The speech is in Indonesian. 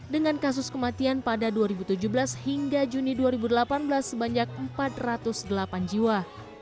dengan kasus kematian pada dua ribu tujuh belas hingga juni dua ribu delapan belas sebanyak empat ratus delapan jiwa